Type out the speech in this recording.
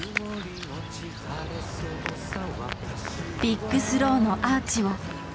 ビッグスローのアーチを大空へ。